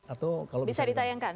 atau kalau bisa ditayangkan